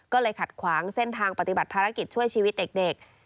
ก็เลยขัดขวางเส้นทางปฏิบัติภารกิจช่วยชีวิตเด็ก